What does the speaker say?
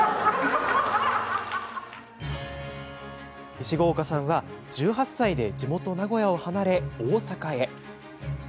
石郷岡さんは１８歳で地元名古屋を離れ大阪へ。